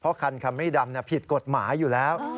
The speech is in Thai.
เพราะคันคำวีสีดำผิดกฎหมายอยู่แล้ว